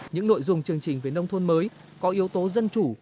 những nội dung chương trình về nông thôn mới có yếu tố dân chủ